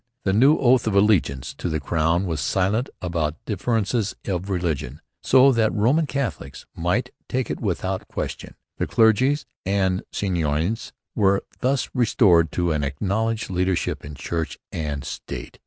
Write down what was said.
The new oath of allegiance to the Crown was silent about differences of religion, so that Roman Catholics might take it without question. The clergy and seigneurs were thus restored to an acknowledged leadership in church and state.